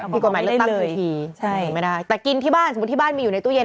ผิดกฎหมายเลือกตั้งทันทีไม่ได้แต่กินที่บ้านสมมุติที่บ้านมีอยู่ในตู้เย็น